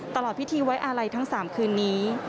ตลอดพิธีไว้อาลัยทั้ง๓คืนนี้